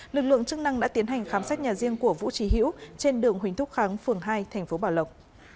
lực lượng chức năng đã tiến hành khám sát nhà riêng của vũ trì hữu trên đường huỳnh thúc kháng phường hai tp bảo lộc